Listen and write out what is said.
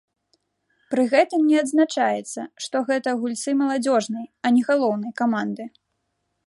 Пры гэтым не адзначаецца, што гэта гульцы маладзёжнай, а не галоўнай каманды.